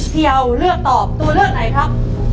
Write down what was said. พี่เอาเลือกตอบตัวเลือกไหนครับ